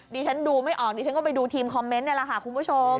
ดิฉันดูไม่ออกดิฉันก็ไปดูทีมคอมเมนต์นี่แหละค่ะคุณผู้ชม